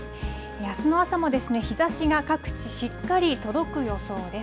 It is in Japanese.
あすの朝も日ざしが各地しっかり届く予想です。